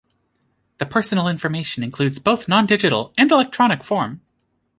The personal information includes both non-digital and electronic form.